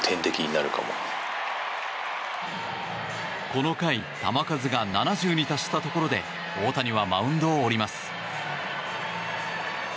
この回球数が７０に達したところで大谷はマウンドを降ります。